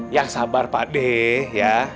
ya sabar pak de ya